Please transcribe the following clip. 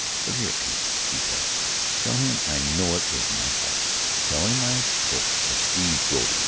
"Look here, Pete," he said; "tell him I know it was my fault. Tell him I took a Steve Brody.